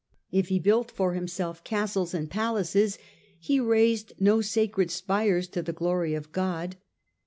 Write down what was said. If he built for himself castles and palaces, he raised no sacred spires to the glory of God.